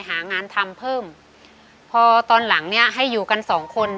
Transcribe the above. หางานทำเพิ่มพอตอนหลังเนี้ยให้อยู่กันสองคน